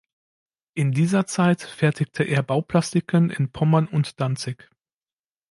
In dieser Zeit fertigte er Bauplastiken in Pommern und Danzig.